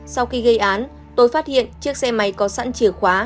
sau khi gây án tôi phát hiện chiếc xe máy có sẵn chìa khóa